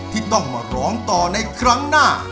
ที่ต้องมาร้องต่อในครั้งหน้า